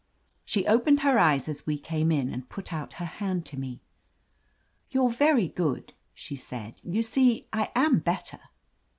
She opened her eyes as we came in, and put out her hand to me. "You're very good," she said, "You see I am better."